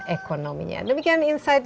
ekonominya demikian insight